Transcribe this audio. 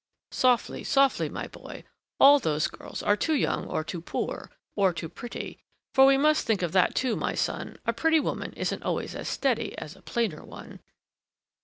"Softly, softly, my boy, all those girls are too young or too poor or too pretty; for we must think of that, too, my son. A pretty woman isn't always as steady as a plainer one."